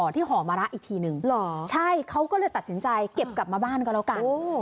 ห่อมะระอีกทีนึงใช่เขาก็เลยตัดสินใจเก็บกลับมาบ้านก็แล้วกัน